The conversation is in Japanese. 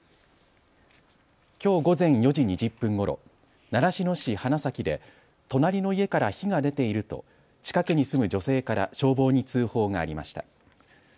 きょう午前４時２０分ごろ、習志野市花咲で隣の家から火が出ていると近くに住む女性から消防に通報がありました。